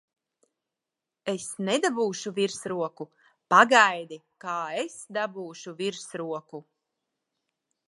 Es nedabūšu virsroku! Pagaidi, kā es dabūšu virsroku!